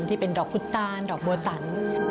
อันที่เป็นดอกกุฎตานดอกโบตัน